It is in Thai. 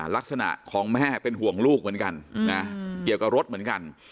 ลักษณะของแม่เป็นห่วงลูกเหมือนกันนะเกี่ยวกับรถเหมือนกัน